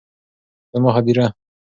زما هديره